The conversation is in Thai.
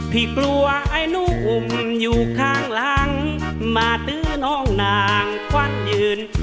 พี่กลัวไอ้หนูอุ่มอยู่ข้างหลังมาตื้อน้องนางควันยืน